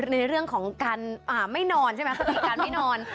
อ๋อในเรื่องของการไม่นอนใช่มั้ยปฏิการไม่นอน